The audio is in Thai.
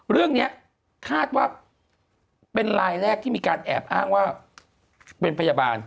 เรื่องนี้คาดว่าเป็นลายแรกที่มีการแอบอ้างว่าเป็นพยาบาล